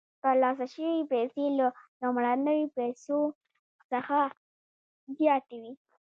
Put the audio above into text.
ترلاسه شوې پیسې له لومړنیو پیسو څخه زیاتې وي